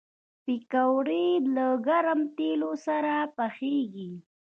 پکورې له ګرم تیلو سره پخېږي